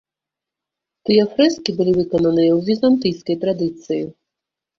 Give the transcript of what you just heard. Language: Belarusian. Тыя фрэскі былі выкананыя ў візантыйскай традыцыі.